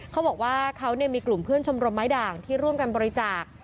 เขาบอกว่าเขามีกลุ่มเพื่อนชมรมไม้ด่างที่ร่วมกันบริจาค